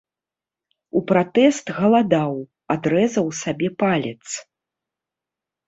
У пратэст галадаў, адрэзаў сабе палец.